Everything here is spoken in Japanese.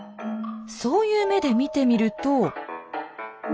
そういう目で見てみると。